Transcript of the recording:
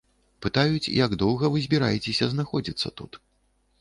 Пытаюць, як доўга вы збіраецеся знаходзіцца тут.